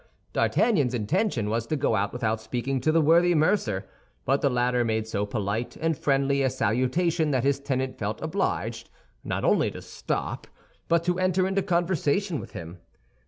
D'Artagnan's intention was to go out without speaking to the worthy mercer; but the latter made so polite and friendly a salutation that his tenant felt obliged, not only to stop, but to enter into conversation with him.